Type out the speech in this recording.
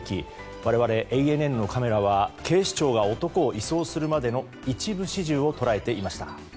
我々、ＡＮＮのカメラは警視庁が男を移送するまでの一部始終を捉えていました。